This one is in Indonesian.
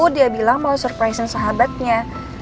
dia bilang mau surprise sahabatnya